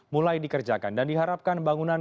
mulai dikerjakan dan diharapkan bangunan